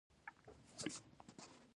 یا هم ښايي هغه غنم او د زیتونو تېل به وو